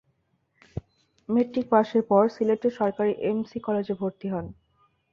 Metric পাসের পর সিলেট সরকারি এমসি কলেজে ভর্তি হন।